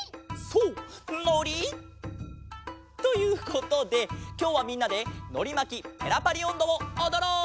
そうのり！ということできょうはみんなで「のりまきペラパリおんど」をおどろう！